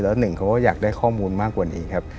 แล้วหนึ่งเขาก็อยากได้ข้อมูลมากกว่านี้ครับ